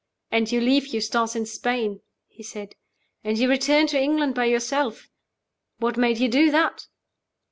"And you leave Eustace in Spain," he said; "and you return to England by yourself! What made you do that?"